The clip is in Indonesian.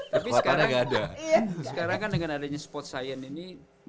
tapi sekarang kan dengan adanya sports science ini